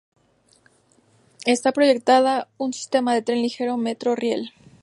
Está proyectada un sistema de tren ligero, Metro Riel.